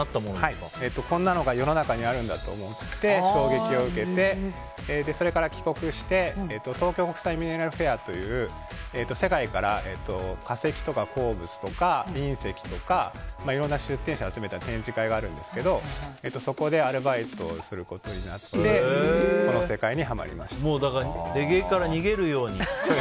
こんなのが世の中にあるんだと思って衝撃を受けて、それから帰国して東京国際ミネラルフェアという世界から化石とか鉱物とか隕石とかいろんな出展者を集めた展示会があるんですけど、そこでアルバイトをすることになってだからレゲエから逃げるように。